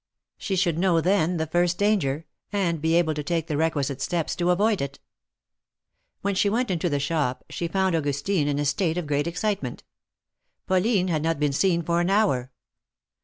She should know then the first danger, and be able to take the requisite steps to avoid it. When she went into the shop, she found Augustine in a state of great excitement. Pauline had not been seen for an hour.